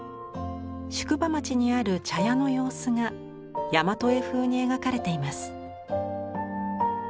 宿場町にある茶屋の様子が大和絵風に描かれています。